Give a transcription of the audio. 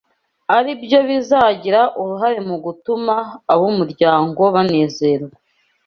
ari byo bizagira uruhare mu gutuma ab’umuryango banezerwa